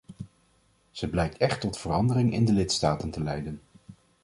Zij blijkt echt tot verandering in de lidstaten te leiden.